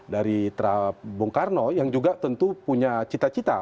dari bung karno yang juga tentu punya cita cita